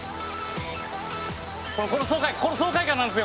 この爽快この爽快感なんですよこれ！